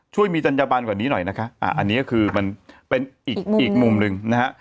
ช่วยมีจัญญบันกว่านี้หน่อยนะคะอันนี้ก็คือมันเป็นอีกมุมหนึ่งนะฮะ